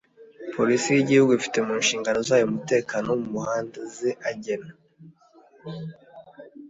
Polisi y’Igihugu ifite mu nshingano zayo umutekano wo mu muhanda ze agena